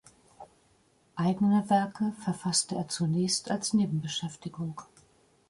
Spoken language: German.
Eigene Werke verfasste er zunächst als Nebenbeschäftigung.